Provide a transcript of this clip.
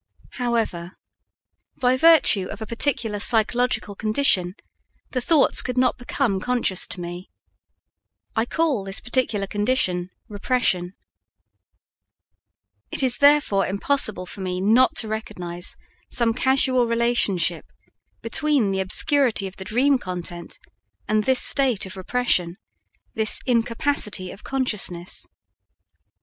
However, by virtue of a particular psychological condition, the thoughts could not become conscious to me. I call this particular condition "Repression." It is therefore impossible for me not to recognize some casual relationship between the obscurity of the dream content and this state of repression this incapacity of consciousness.